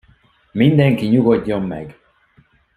Mindenki nyugodjon meg!